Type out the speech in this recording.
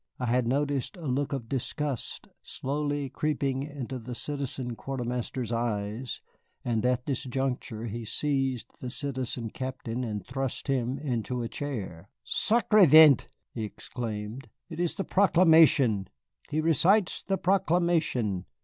I had noticed a look of disgust slowly creeping into the Citizen Quartermaster's eyes, and at this juncture he seized the Citizen Captain and thrust him into a chair. "Sacré vent!" he exclaimed, "it is the proclamation he recites the proclamation!